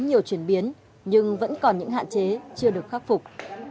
đã có nhiều chuyển biến nhưng vẫn còn những hạn chế chưa được khắc phục